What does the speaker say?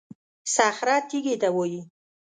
صخره تېږې ته وایي.